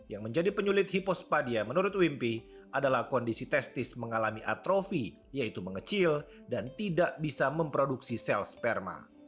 yang menjadi penyulit hipospadia menurut wimpi adalah kondisi testis mengalami atrofi yaitu mengecil dan tidak bisa memproduksi sel sperma